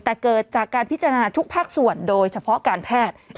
แต่เกิดจากการพิจารณาทุกภาคส่วนโดยเฉพาะการแพทย์